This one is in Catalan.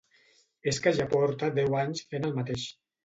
És que ja porta deu anys fent el mateix.